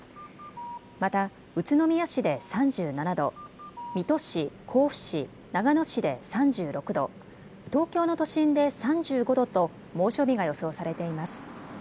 また宇都宮市で３７度、水戸市、甲府市、長野市で３６度、東京の都心で３５度と猛暑日が予想されています。